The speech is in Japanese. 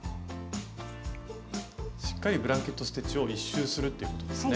しっかりブランケット・ステッチを１周するっていうことですね。